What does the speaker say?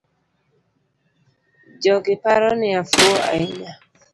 Jogiparo ni afuwo ainya.